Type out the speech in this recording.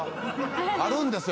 あるんですよ